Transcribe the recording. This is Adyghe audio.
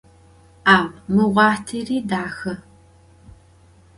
Au mı vuaxhteri daxe.